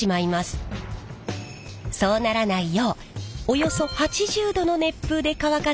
そうならないようおよそ８０℃の熱風で乾かすのがベストだそう。